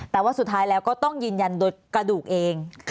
แต่ว่าสุดท้ายแล้วก็ต้องยืนยันโดยกระดูกเอง